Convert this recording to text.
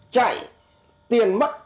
chạy tiền mất